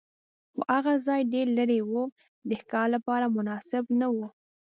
خو هغه ځای ډېر لرې و، د ښکار لپاره مناسب نه و.